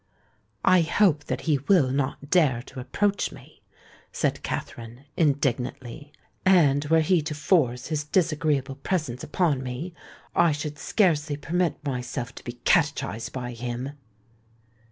"I hope that he will not dare to approach me," said Katherine, indignantly; "and, were he to force his disagreeable presence upon me, I should scarcely permit myself to be catechised by him."